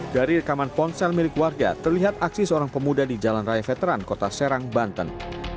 dari rekaman ponsel milik warga terlihat aksi seorang pemuda di jalan raya veteran kota serang banten